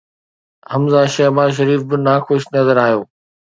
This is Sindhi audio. حمزه شهباز به ناخوش نظر آيو.